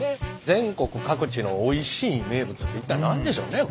全国各地のおいしい名物って一体何でしょうね？